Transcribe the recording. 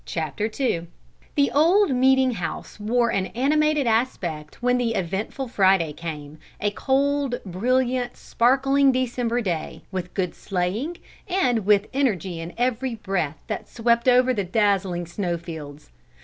CHAPTER II The old Meeting House wore an animated aspect when the eventful Friday came, a cold, brilliant, sparkling December day, with good sleighing, and with energy in every breath that swept over the dazzling snowfields.